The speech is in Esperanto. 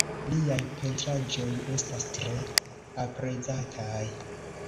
Liaj pentraĵoj estas tre aprezataj.